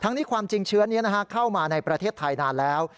นี้ความจริงเชื้อนี้เข้ามาในประเทศไทยนานแล้ว